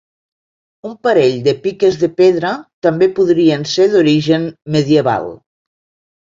Un parell de piques de pedra també podrien ser d'origen medieval.